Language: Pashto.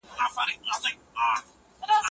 که پوهنتون پریکړه وکړي نو قانون به پلی سي.